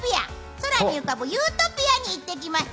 空に浮かぶユートピアに行ってきました。